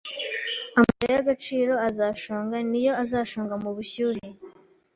Amabuye y'agaciro azashonga niyo azashonga mubushyuhe